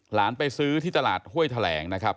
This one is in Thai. ไปซื้อที่ตลาดห้วยแถลงนะครับ